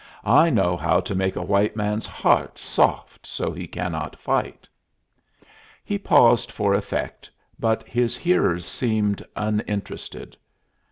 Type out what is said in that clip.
"I know how to make the white man's heart soft so he cannot fight." He paused for effect, but his hearers seemed uninterested.